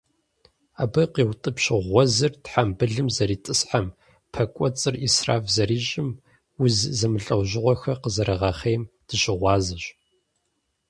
Абы къиутӀыпщ гъуэзыр тхьэмбылым зэритӀысхьэм, пэ кӀуэцӀыр Ӏисраф зэрищӀым, уз зэмылӀэужьыгъуэхэр къызэригъэхъейм дыщыгъуазэщ.